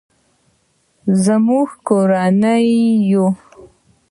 مونږ کورنۍ یو